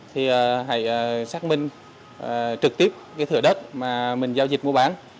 thì hãy xác minh trực tiếp cái thửa đất mà mình giao dịch mua bán